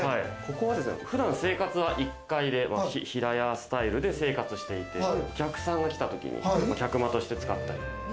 ここは普段、生活は１階で、平屋スタイルで生活していて、お客さんが来た時に客間として使ったり。